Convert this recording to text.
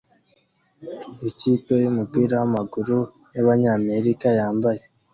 Ikipe yumupira wamaguru yabanyamerika yambaye